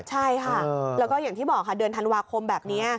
ใช่ค่ะแล้วก็อย่างที่บอกค่ะเดือนธันวาคมแบบนี้